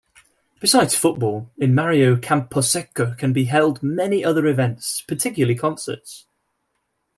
Besides football, in Mario Camposeco can be held many other events, particularly concerts.